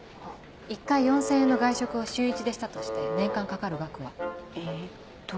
１回４０００円の外食を週１でしたとして年間かかる額は？えっと。